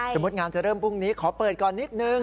งานจะเริ่มพรุ่งนี้ขอเปิดก่อนนิดนึง